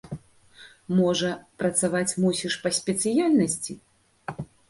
Можа, працаваць мусіш па спецыяльнасці?